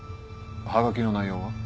はがきの内容は？